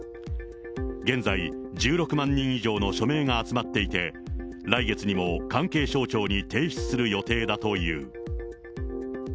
現在、１６万人以上の署名が集まっていて、来月にも関係省庁に提出する予定だという。